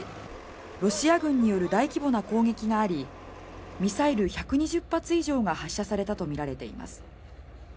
ロシア軍による大規模な攻撃がありミサイル１２０発以上が発射されたとみられています。